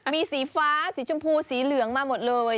มีสีฟ้าสีชมพูสีเหลืองมาหมดเลย